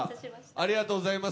ありがとうございます。